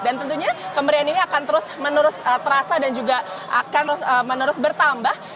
dan tentunya kemeriahan ini akan terus menerus terasa dan juga akan terus bertambah